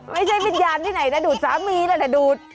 ไม่ใช่วิญญาณที่ไหนแต่ดูดสามีเลยแต่ดูด